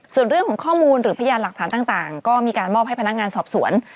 ส่วนเรื่องของข้อมูลหรือพยานหลักฐานต่างก็มีการมอบให้พนักงานสอบสวน